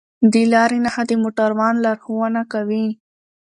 د لارې نښه د موټروان لارښوونه کوي.